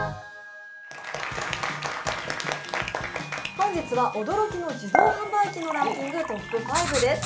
本日は驚きの自動販売機のランキングトップ５です。